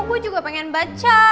gue juga pengen baca